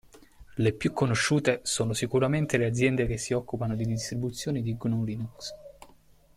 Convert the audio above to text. Le più conosciute sono sicuramente le aziende che si occupano di distribuzioni di GNU/Linux.